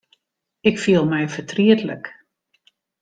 Ik fiel my fertrietlik.